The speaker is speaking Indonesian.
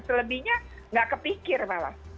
selebihnya nggak kepikir malah